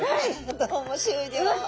どうも終了。